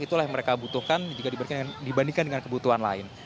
itulah yang mereka butuhkan jika dibandingkan dibandingkan dengan kebutuhan lain